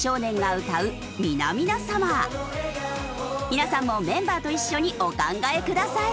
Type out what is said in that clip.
皆さんもメンバーと一緒にお考えください。